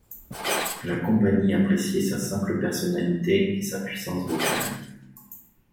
La compagnie appréciait sa simple personnalité et sa puissance vocale.